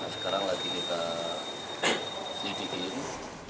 sekarang lagi kita sedikit